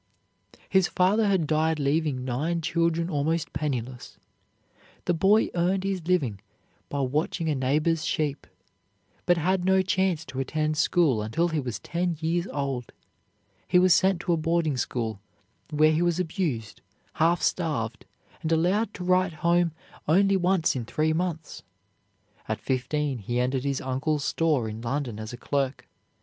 His father had died leaving nine children almost penniless. The boy earned his living by watching a neighbor's sheep, but had no chance to attend school until he was ten years old. He was sent to a boarding school, where he was abused, half starved, and allowed to write home only once in three months. At fifteen he entered his uncle's store in London as a clerk.